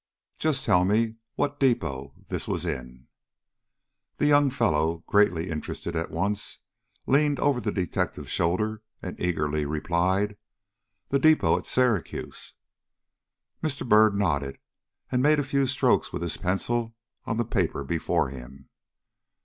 "Just tell me what depot this was in." The young fellow, greatly interested at once, leaned over the detective's shoulder and eagerly replied: "The depot at Syracuse." Mr. Byrd nodded and made a few strokes with his pencil on the paper before him.